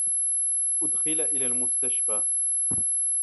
أُدخل إلى المستشفى.